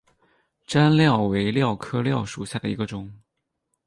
粘蓼为蓼科蓼属下的一个种。